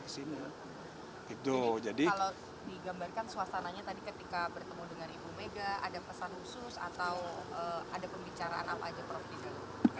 kalau digambarkan suasananya tadi ketika bertemu dengan ibu mega ada pesan khusus atau ada pembicaraan apa aja prof dika